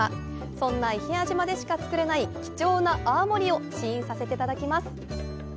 そんな伊平屋島でしか造れない貴重な泡盛を試飲させていただきます。